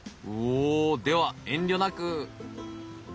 おおでは遠慮なく。